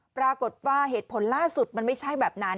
ปรากฏว่าเหตุผลล่าสุดมันไม่ใช่แบบนั้น